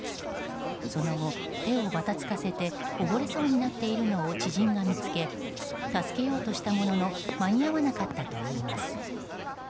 その後、手をばたつかせて溺れそうになっているのを知人が見つけ助けようとしたものの間に合わなかったといいます。